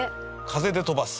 風で飛ばす？